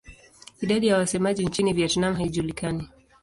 Idadi ya wasemaji nchini Vietnam haijulikani.